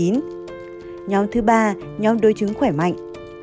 nhóm thứ ba nhóm đối chứng khỏe mạnh